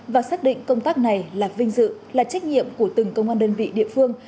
và xác định công tác này là vinh dự là trách nhiệm của từng công an đơn vị địa phương